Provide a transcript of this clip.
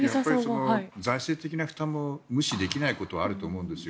財政的な負担も無視できないことはあると思うんです。